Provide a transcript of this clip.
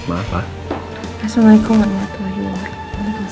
assalamualaikum warahmatullahi wabarakatuh